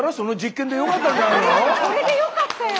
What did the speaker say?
これでよかったよ！